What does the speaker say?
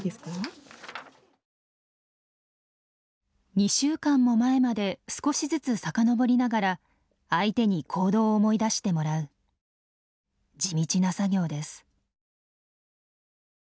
２週間も前まで少しずつ遡りながら相手に行動を思い出してもらう地道な作業です。